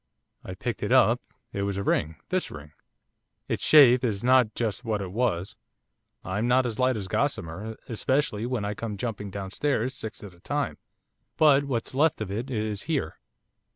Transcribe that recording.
I picked it up, it was a ring; this ring. Its shape is not just what it was, I'm not as light as gossamer, especially when I come jumping downstairs six at a time, but what's left of it is here.